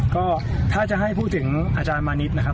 ก็ถ้าจะให้พูดถึงอาจารย์มานิดนะครับ